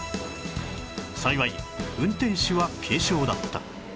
幸い運転手は軽傷だった